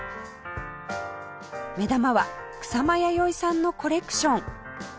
目玉は草間彌生さんのコレクション